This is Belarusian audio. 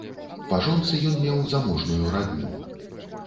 Па жонцы ён меў заможную радню.